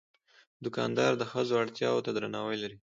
دوکاندار د ښځو اړتیا ته درناوی لري.